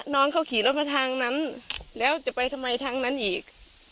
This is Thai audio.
น้องเขาขี่รถมาทางนั้นแล้วจะไปทำไมทางนั้นอีก